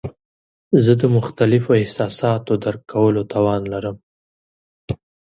زه د مختلفو احساساتو درک کولو توان لرم.